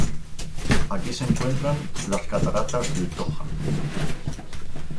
Aquí se encuentran las cataratas del Toja.